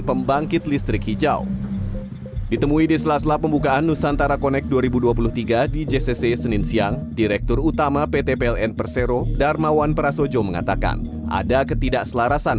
pemerintah dan pt pln